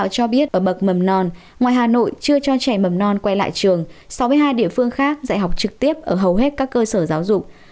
chưa cho trẻ mầm non quay lại trường sáu mươi hai địa phương khác dạy học trực tiếp ở hầu hết các cơ sở giáo dục